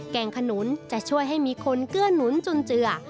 งขนุนจะช่วยให้มีคนเกื้อหนุนจนเจือ